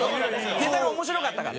ネタが面白かったから。